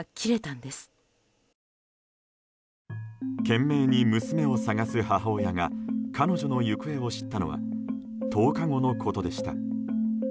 懸命に娘を捜す母親が彼女の行方を知ったのは１０日後のことでした。